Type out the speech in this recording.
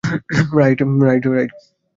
Right, - right.